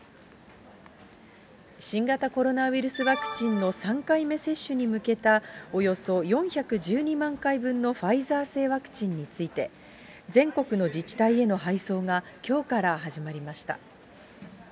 新型コロナウイルスワクチンの３回目接種に向けたおよそ４１２万回分のファイザー製ワクチンについて、全国の自治体への配送がきょうから始まりました。